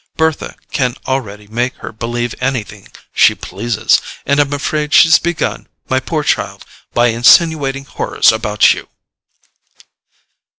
Bertha can already make her believe anything she pleases—and I'm afraid she's begun, my poor child, by insinuating horrors about you."